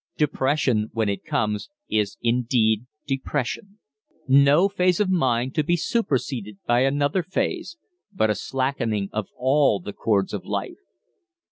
Depression, when it comes, is indeed depression; no phase of mind to be superseded by another phase, but a slackening of all the chords of life.